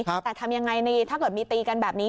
แต่ทำยังไงดีถ้าเกิดมีตีกันแบบนี้